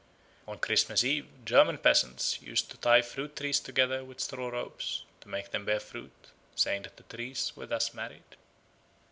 On Christmas Eve German peasants used to tie fruit trees together with straw ropes to make them bear fruit, saying that the trees were thus married.